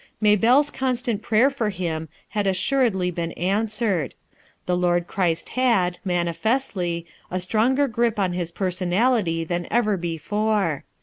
Maybelle's constant prayer for him had assuredly been answered. The Lord Christ had, manifestly, a stronger grip on his personality than ever before.